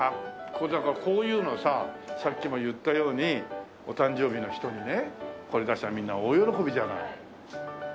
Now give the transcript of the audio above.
これだからこういうのをささっきも言ったようにお誕生日の人にねこれ出したらみんな大喜びじゃない？